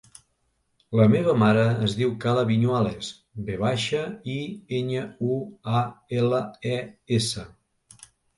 La meva mare es diu Kala Viñuales: ve baixa, i, enya, u, a, ela, e, essa.